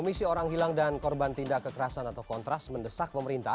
komisi orang hilang dan korban tindak kekerasan atau kontras mendesak pemerintah